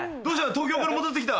東京から戻ってきた？